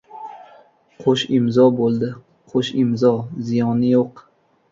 — Qo‘sh imzo bo‘ldi, qo‘sh imzo! Ziyoni yo‘q!